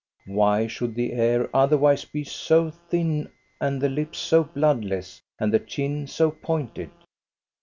Why should the hair otherwise be so thin and the lips so bloodless and the chin so pointed